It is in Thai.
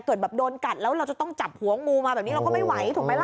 เกิดแบบโดนกัดแล้วเราจะต้องจับหัวงูมาแบบนี้เราก็ไม่ไหวถูกไหมล่ะ